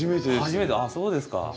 ああそうですか。